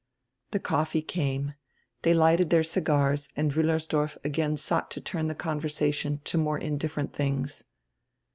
'" The coffee came. They lighted their cigars and Wiillers dorf again sought to turn the conversation to more in different tilings.